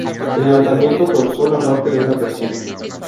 El levantamiento causó la muerte de una persona.